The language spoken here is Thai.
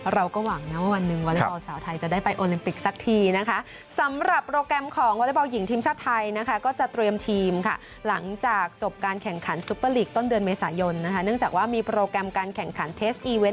เราก็หวังวันนึงวาเลเบ